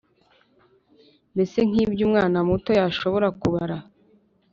mbese nk’ibyo umwana muto yashobora kubara.